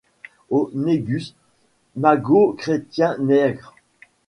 Au négus, magot chrétien nègre